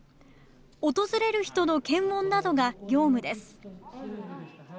訪れる人の検温などが業務です。